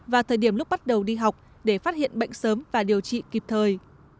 và thời điểm lúc bắt đầu đi học để phát hiện bệnh sớm và điều trị kịp thời